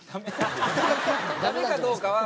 ダメかどうかは。